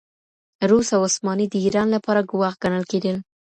روس او عثماني د ایران لپاره ګواښ ګڼل کېدل.